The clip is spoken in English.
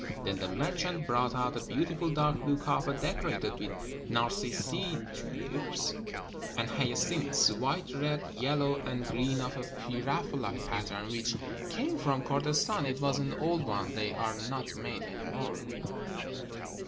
Then the merchant brought out a beautiful dark blue carpet, decorated with narcissi, tulips, and hyacinths, white, red, yellow, and green, of a pre Raphaelite pattern which came from Kurdistan. It was an old one; they are not made any more.